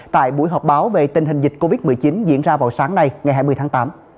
tại buổi họp báo về tình hình dịch covid một mươi chín diễn ra vào sáng nay ngày hai mươi tháng tám